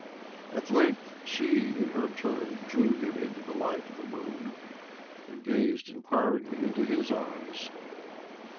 At length she, in her turn, drew him into the light of the moon, and gazed inquiringly into his eyes.